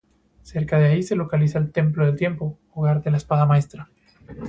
Cerca de ahí, se localiza el Templo del Tiempo: hogar de la Espada Maestra.